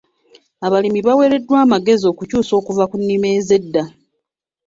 Abalimi baaweereddwa amagezi okukyusa okuva ku nnima ez'edda.